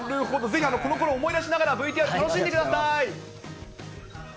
ぜひ、このころを思い出しながら、ＶＴＲ楽しんでください。